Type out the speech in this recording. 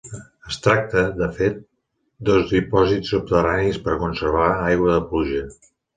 Es tracta, de fet dos dipòsits subterranis per a conservar aigua de pluja.